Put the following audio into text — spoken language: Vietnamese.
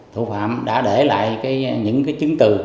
thủ phạm đã để lại những cái chứng từ